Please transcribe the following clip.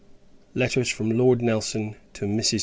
I. Letters FROM LORD NELSON TO MRS.